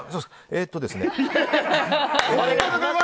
えっとですね。